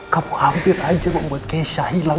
kamu hampir aja membuat keisha hilang